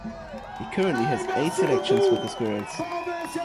He currently has eight selections with the Squirrels.